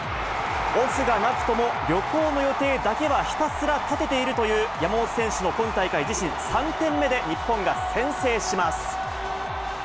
オフがなくとも、旅行の予定だけはひたすら立てているという山本選手の今大会、自身３点目で、日本が先制します。